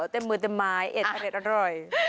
เต็มมือเต็มไม้อร่อย